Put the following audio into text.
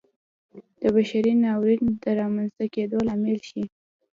د بشري ناورین د رامنځته کېدو لامل شي.